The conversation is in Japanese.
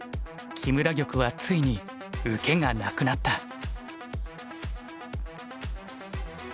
木村玉はついに受けがなくなった。